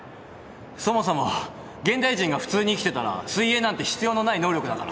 そもそも現代人が普通に生きてたら水泳なんて必要のない能力だから。